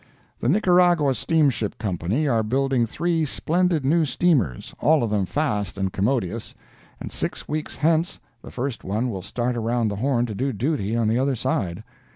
The Nicaragua Steamship Company are building three splendid new steamers, all of them fast and commodious—and six weeks hence the first one will start around the Horn to do duty on the other side.